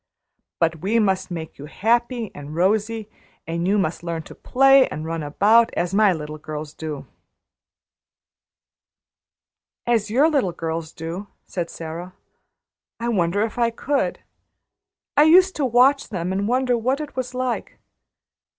But we must make you happy and rosy, and you must learn to play and run about, as my little girls do " "As your little girls do?" said Sara. "I wonder if I could. I used to watch them and wonder what it was like.